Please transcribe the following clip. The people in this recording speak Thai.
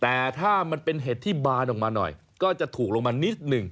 แต่ถ้ามันเป็นเห็ดที่บานออกมาหน่อยก็จะถูกลงมานิดหนึ่ง